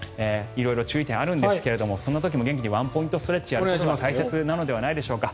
色々注意点あるんですがそんな時も元気にワンポイントストレッチするのが大切なのではないでしょうか。